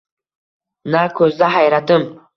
Na ko’zda hayratim